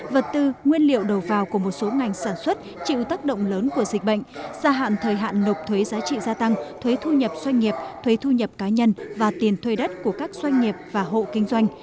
vật tư nguyên liệu đầu vào của một số ngành sản xuất chịu tác động lớn của dịch bệnh gia hạn thời hạn nộp thuế giá trị gia tăng thuế thu nhập doanh nghiệp thuế thu nhập cá nhân và tiền thuê đất của các doanh nghiệp và hộ kinh doanh